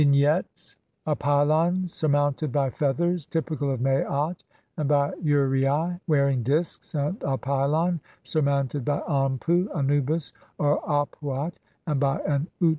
] Vignettes : A pylon surmounted by feathers typical of Maat and by uraei wearing disks, and a pylon surmounted by Anpu (Anubis) or Ap uat, and by an Utchat.